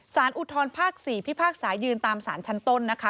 อุทธรภาค๔พิพากษายืนตามสารชั้นต้นนะคะ